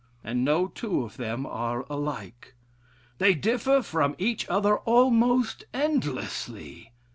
And no two of them are alike. They differ from each other almost endlessly.